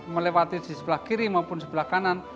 melewati di sebelah kiri maupun sebelah kanan